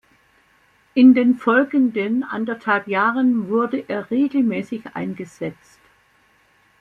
In den folgenden anderthalb Jahren wurde er regelmäßig eingesetzt.